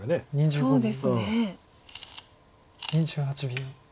２８秒。